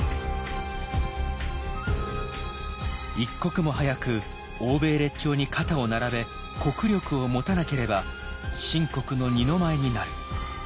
一刻も早く欧米列強に肩を並べ国力を持たなければ清国の二の舞になる。